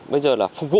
bây giờ là phục vụ